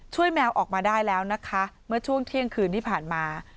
แมวออกมาได้แล้วนะคะเมื่อช่วงเที่ยงคืนที่ผ่านมา